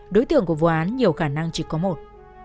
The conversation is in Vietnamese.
đối tượng của vụ án nhiều khả năng chỉ có một